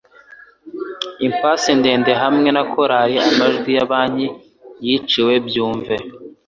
Impasse ndende hamwe na korari. Amajwi ya banki yiciwe byumve